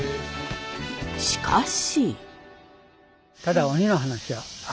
しかし。